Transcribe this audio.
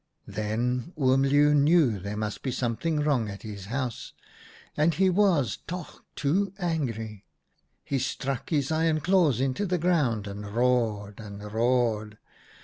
" Then Oom Leeuw knew there must be something wrong at his house, and he was toch too angry. He struck his iron claws into the ground and roared and roared.